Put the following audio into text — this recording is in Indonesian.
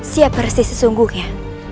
siapa resi sesungguhnya